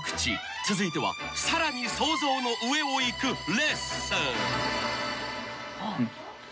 ［続いてはさらに想像の上をいくレッスン］